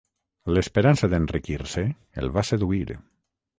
L'esperança d'enriquir-se el va seduir.